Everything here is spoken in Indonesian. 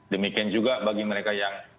demikian juga bagi mereka yang